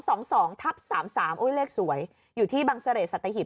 สองสองทับสามสามโอ้ยเลขสวยอยู่ที่บังเสร่สัตหิบ